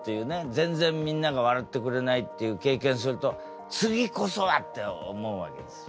全然みんなが笑ってくれないっていう経験すると「次こそは！」って思うわけですよ。